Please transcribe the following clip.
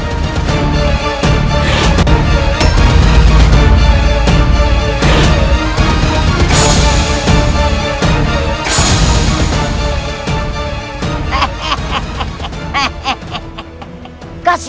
itu adalah kisah apa yang saya baca